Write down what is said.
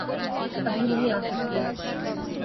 ابھی نہیں آسکتے۔۔۔